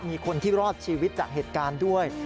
มีคนที่รอดชีวิตจากเหตุการณ์ด้วย